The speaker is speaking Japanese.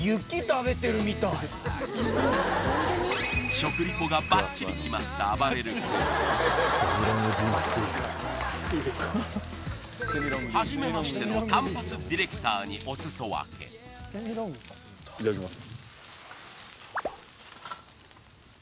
食リポがバッチリ決まったあばれる君はじめましての短髪ディレクターにおすそ分けいただきます